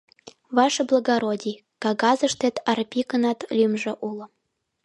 Ваше благородий, кагазыштет Арпикынат лӱмжӧ уло.